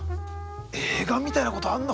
映画みたいなことあるんだ